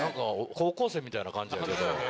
高校生みたいな感じやけど。